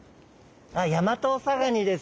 ヤマトオサガニです。